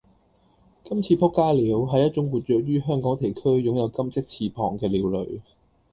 「金翅仆街鳥」係一種活躍於香港地區擁有金色翅膀嘅鳥類